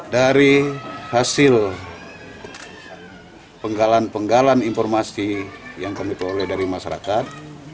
dari hasil penggalan penggalan informasi yang kami peroleh dari masyarakat